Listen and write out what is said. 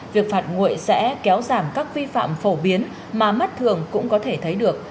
việc phạt nguội sẽ kéo giảm các vi phạm phổ biến mà mắt thường cũng có thể thấy được